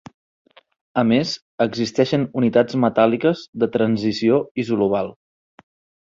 A més, existeixen unitats metàl·liques de transició isolobal.